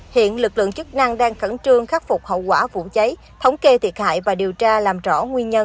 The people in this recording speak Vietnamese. hiện lực lượng chức năng đang khẩn trương khắc phục hậu quả vụ cháy thống kê thiệt hại và điều tra làm rõ nguyên nhân